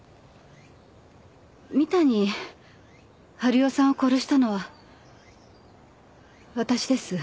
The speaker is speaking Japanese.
三谷治代さんを殺したのは私です。